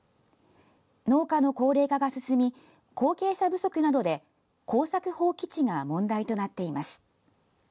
農家の高齢化が進み後継者不足などで耕作放棄地が問題となっています。